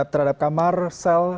terhadap kamar sel